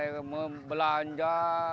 ya kalau belanja